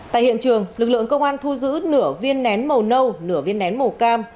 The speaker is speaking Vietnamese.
tại hiện trường lực lượng công an thu giữ nửa viên nén màu nâu nửa viên nén màu cam